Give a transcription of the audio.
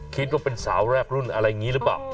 คิดว่าเป็นสาวแรกรุ่นอะไรอย่างนี้หรือเปล่า